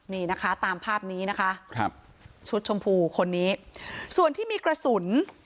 นี่นะคะตามภาพนี้นะคะครับชุดชมพูคนนี้ส่วนที่มีกระสุน